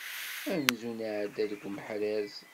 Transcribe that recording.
Amzun iεedda deg umehraz.